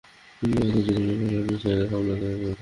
কি হত যদি মেয়ে পাইলট মিসাইল এর হামলা থেকে না বাচত?